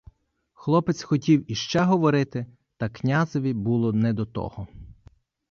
Хлопець хотів іще говорити, та князеві було не до того.